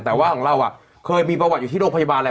แต่ว่าของเราเคยมีประวัติอยู่ที่โรงพยาบาลแล้ว